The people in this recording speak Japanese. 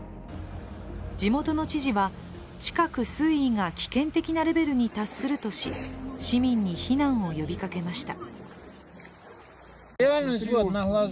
地元の知事は近く水位が危険的なレベルに達するとし、市民に避難を呼びかけました。